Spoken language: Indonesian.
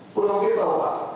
pulau k tahu pak